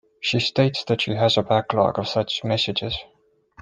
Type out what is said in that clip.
She states that she has a backlog of such messages.